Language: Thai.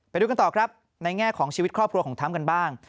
ไปดูกันต่อครับในแง่ของชีวิตครอบครัวของทรัมป์กันบ้าง